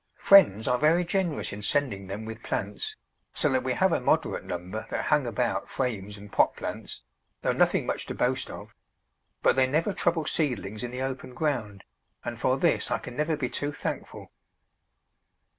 Friends are very generous in sending them with plants, so that we have a moderate number that hang about frames and pot plants, though nothing much to boast of; but they never trouble seedlings in the open ground, and for this I can never be too thankful.